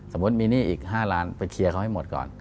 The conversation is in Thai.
สมมุติมีหนี้อีก๕ล้านไปเคลียร์เขาให้หมดก่อน